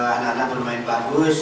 anak anak bermain bagus